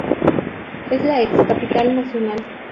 Es la ex capital nacional.